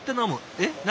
えっ何？